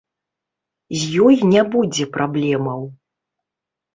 З ёй не будзе праблемаў.